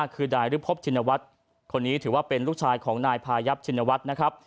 ๕คือนายริภพชินวัตรคนนี้ถือว่าเป็นลูกชายของนายพายับชินวัตร